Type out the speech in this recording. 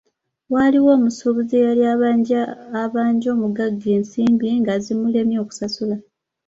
Waaliwo omusuubuzi eyali abanja abanja omugagga ensimbi nga zimulemye okusasula.